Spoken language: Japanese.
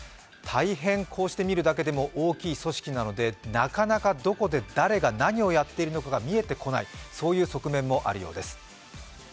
こうして見るだけでも大きい組織なのでなかなか、どこで誰が何をやっているのかが見えてこない、そういう側面もあるようです。